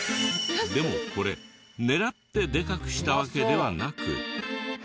でもこれ狙ってでかくしたわけではなく。